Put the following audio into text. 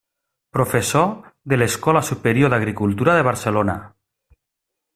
Professor de l'Escola Superior d'Agricultura de Barcelona.